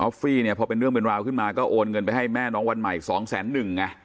ฟี่เนี่ยพอเป็นเรื่องเป็นราวขึ้นมาก็โอนเงินไปให้แม่น้องวันใหม่สองแสนหนึ่งไง